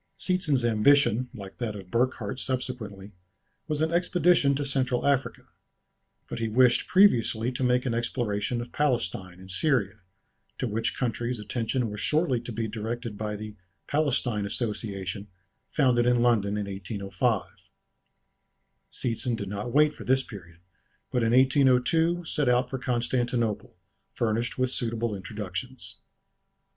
Seetzen's ambition, like that of Burckhardt subsequently, was an expedition to Central Africa, but he wished previously to make an exploration of Palestine and Syria, to which countries attention was shortly to be directed by the "Palestine Association," founded in London in 1805. Seetzen did not wait for this period, but in 1802 set out for Constantinople, furnished with suitable introductions.